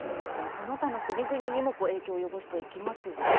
その他の国々にも影響を及ぼしていきますよね。